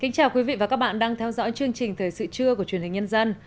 chương trình thời sự trưa của truyền hình nhân dân